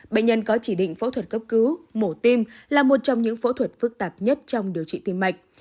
bệnh nhân có chỉ định phẫu thuật cấp cứu mổ tim là một trong những phẫu thuật phức tạp nhất trong điều trị tim mạch